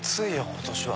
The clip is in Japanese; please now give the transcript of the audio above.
今年は。